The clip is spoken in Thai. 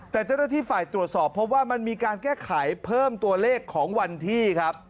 แต่เจ้าหน้าที่ฝ่ายตรวจสอบเพราะว่ามันมีการแก้ไขเพิ่มตัวเลขของวันที่ครับ